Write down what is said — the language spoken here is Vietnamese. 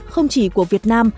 không chỉ của việt nam